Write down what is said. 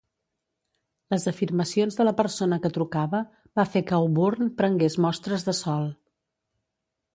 Les afirmacions de la persona que trucava va fer que Auburn prengués mostres de sòl.